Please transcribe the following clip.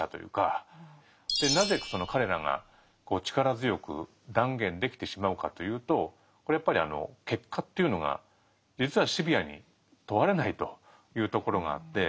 でなぜその彼らが力強く断言できてしまうかというとこれやっぱり結果というのが実はシビアに問われないというところがあって。